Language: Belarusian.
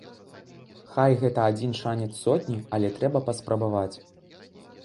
Хай гэта адзін шанец з сотні, але трэба паспрабаваць.